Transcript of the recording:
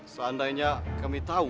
seandainya kami tau